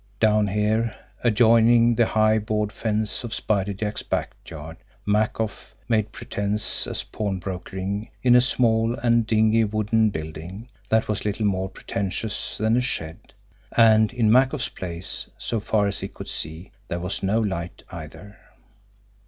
Down here, adjoining the high board fence of Spider Jack's back yard, Makoff made pretense at pawnbrokering in a small and dingy wooden building, that was little more pretentious than a shed and in Makoff's place, so far as he could see, there was no light, either.